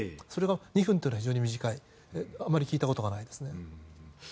それが２分というのは非常に短くてあまり聞いたことがない。